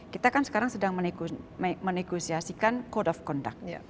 kita kan sekarang sedang menegosiasikan code of conduct